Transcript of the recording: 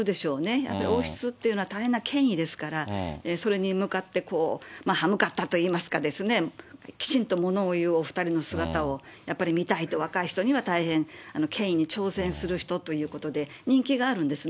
やっぱり王室っていうのは大変な権威ですから、それに向かってこう、歯向かったといいますかですね、きちんと物を言うお２人の姿をやっぱり見たいと、若い人には大変権威に挑戦する人ということで、人気があるんですね。